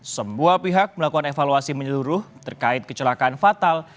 semua pihak melakukan evaluasi menyeluruh terkait kecelakaan fatal